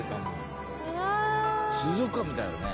太田：水族館みたいだね。